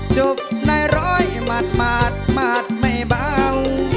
จบในร้อยหมาดหมาดไม่เบา